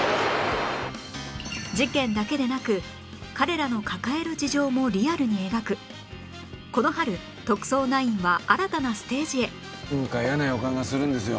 事件だけでなく彼らの抱える事情もリアルに描くこの春『特捜９』は新たなステージへ！なんか嫌な予感がするんですよ。